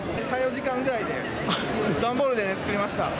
３、４時間ぐらいで、段ボールで作りました。